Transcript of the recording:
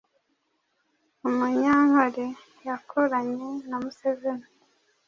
UmunyankoLe yakuranye na Museveni